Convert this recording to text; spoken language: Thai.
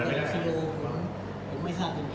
ที่เขาทิ้งไว้เนี่ยค่ะมีอะไรบ้างค่ะนอกจากบ้านนี้